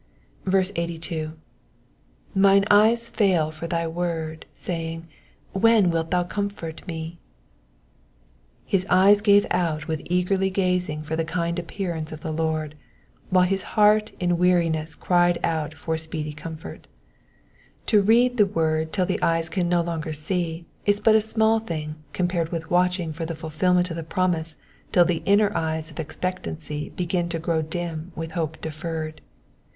82. ^^Mine eyes fail for thy word^ saying^ When mlt thou comfort meV His eyes gave out with eagerly gazing for the kind appearance of the Lord, while his heart in weariness cried out for speedy comfort. To read the word till the eyes can no longer see is but a small thing compared with watching for the fulfilment of the promise till the inner eyes of expectancy begin to grow dim with hope deferred.